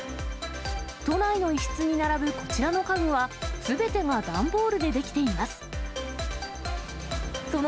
都内の一室に並ぶこちらの家具は、すべてが段ボールで出来ています。